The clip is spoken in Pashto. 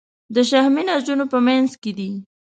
د شحمي نسجونو په منځ کې دي.